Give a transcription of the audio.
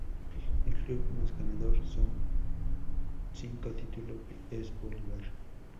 El club más ganador, con cinco títulos, es Bolívar.